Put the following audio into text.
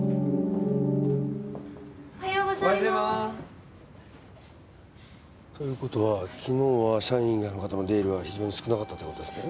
おはようございま。という事は昨日は社員以外の方の出入りは非常に少なかったって事ですね？